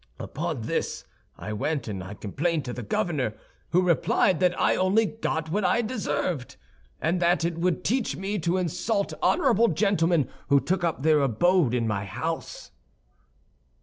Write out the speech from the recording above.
Upon this I went and complained to the governor, who replied that I only had what I deserved, and that it would teach me to insult honorable gentlemen who took up their abode in my house."